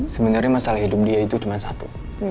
sebenarnya masalah hidup dia itu cuma satu